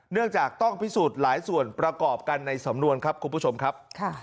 เนื่องจากต้องพิสูจน์หลายส่วนประกอบกันในสำนวนครับคุณผู้ชมครับ